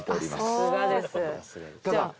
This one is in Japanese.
さすがです。